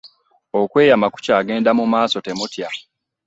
Okweyama kukyagenda mu maaso temutya.